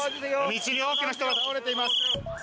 道に多くの人が倒れています。